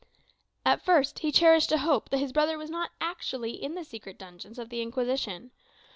At first he cherished a hope that his brother was not actually in the secret dungeons of the Inquisition.